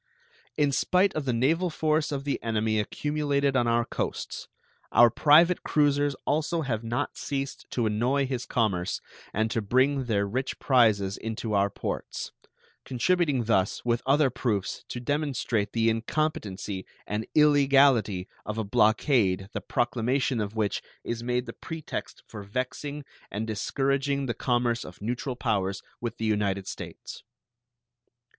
In spite of the naval force of the enemy accumulated on our coasts, our private cruisers also have not ceased to annoy his commerce and to bring their rich prizes into our ports, contributing thus, with other proofs, to demonstrate the incompetency and illegality of a blockade the proclamation of which is made the pretext for vexing and discouraging the commerce of neutral powers with the United States.